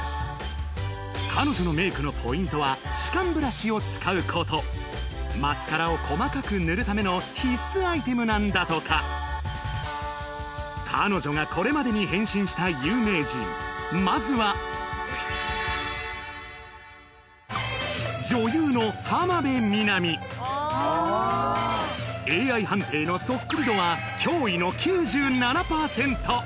彼女のメイクのポイントは歯間ブラシを使うことマスカラを細かく塗るための必須アイテムなんだとか彼女がこれまでに変身した有名人まずは女優のＡＩ判定のそっくり度は驚異の９７％